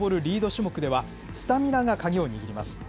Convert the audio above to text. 種目では、スタミナが鍵を握ります。